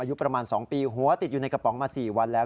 อายุประมาณ๒ปีหัวติดอยู่ในกระป๋องมา๔วันแล้ว